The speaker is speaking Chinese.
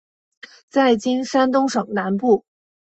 在今山东省南部。